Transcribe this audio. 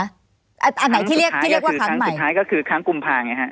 อันไหนที่เรียกที่เรียกว่าครั้งใหม่สุดท้ายก็คือครั้งกุมภาไงฮะ